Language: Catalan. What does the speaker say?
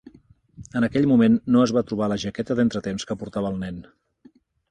En aquell moment no es va trobar la jaqueta d"entretemps que portava el nen.